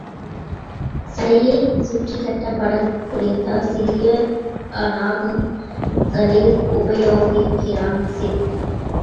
சடையைச் சுற்றிக் கட்ட படங்குறைந்த சிறிய நாகங்களை உபயோகித்திருக்கிறான் சிற்பி.